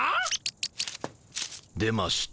出ました。